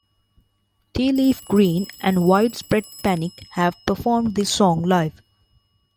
Tea Leaf Green and Widespread Panic have performed this song live.